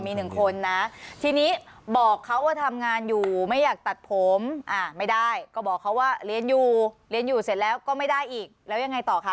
มีหนึ่งคนนะทีนี้บอกเขาว่าทำงานอยู่ไม่อยากตัดผมไม่ได้ก็บอกเขาว่าเรียนอยู่เรียนอยู่เสร็จแล้วก็ไม่ได้อีกแล้วยังไงต่อคะ